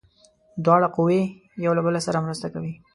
دواړه قوې یو بل سره مرسته کوي.